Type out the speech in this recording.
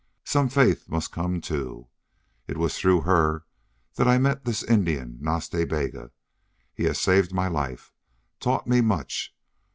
Some faith must come, too. It was through her that I met this Indian, Nas Ta Bega. He has saved my life taught me much.